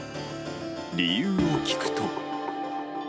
理由を聞くと。